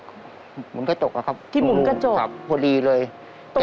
ที่หมุนกระจกเหรอครับตรูครับพอดีเลยแก้วหูแตกที่หมุนกระจก